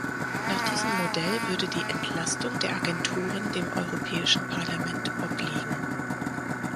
Nach diesem Modell würde die Entlastung der Agenturen dem Europäischen Parlament obliegen.